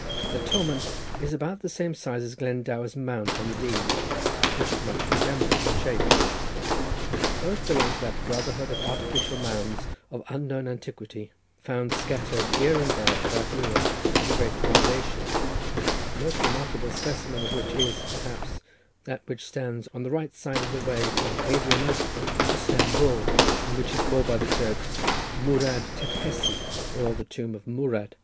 The Tomen is about the same size as Glendower's Mount on the Dee, which it much resembles in shape. Both belong to that brotherhood of artificial mounds of unknown antiquity, found scattered, here and there, throughout Europe and the greater part of Asia, the most remarkable specimen of which is, perhaps, that which stands on the right side of the way from Adrianople to Stamboul, and which is called by the Turks Mourad Tepehsi, or the tomb of Mourad.